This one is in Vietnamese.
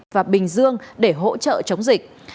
và bình dương để hỗ trợ chống dịch